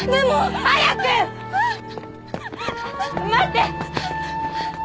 待って！